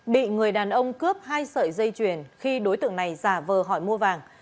bị người đàn ông cướp hai sợi dây chuyền khi đối tượng này giả vờ hỏi mua vàng